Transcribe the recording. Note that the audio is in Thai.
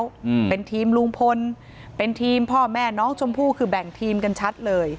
อืมเป็นทีมลุงพลเป็นทีมพ่อแม่น้องชมพู่คือแบ่งทีมกันชัดเลย